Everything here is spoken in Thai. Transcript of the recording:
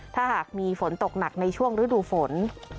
ถ้าหากมีฝนตกหนักในช่วงฤดูฝน